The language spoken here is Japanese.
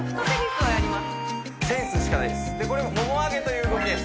これモモ上げという動きです